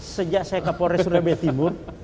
sejak saya kapolres surabaya timur